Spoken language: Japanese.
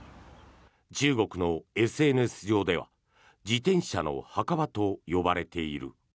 中国のＳＮＳ上では自転車の墓場と呼ばれている。